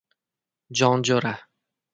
— Jon jo‘ra!